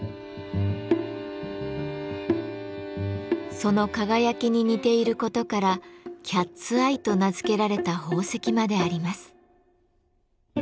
その輝きに似ていることから「キャッツアイ」と名付けられた宝石まであります。